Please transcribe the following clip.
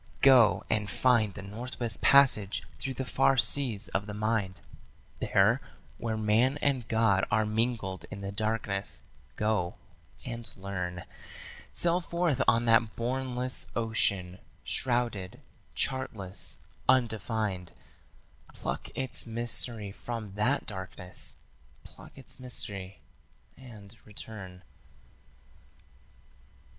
Go and find the Northwest Passage through the far seas of the mind, There, where man and God are mingled in the darkness, go and learn. Sail forth on that bournless ocean, shrouded, chartless, undefined: Pluck its mystery from that darkness; pluck its mystery and return.